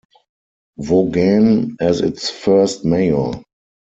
Vaughan as its first mayor.